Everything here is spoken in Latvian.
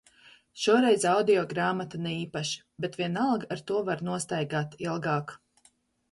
Šoreiz audio grāmata ne īpaši. Bet vienalga ar to var nostaigāt ilgāk.